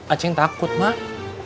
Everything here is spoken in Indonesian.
aceh takut mak